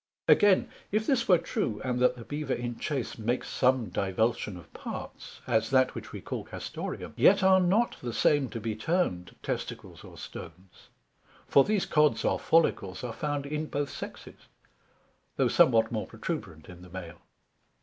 Again, If this were true, and that the Bever in chase makes some divulsion of parts, as that which we call Castoreum; yet are not the same to be termed Testicles or Stones; for these Cods or Follicles are found in both Sexes, though somewhat more protuberant in the Male.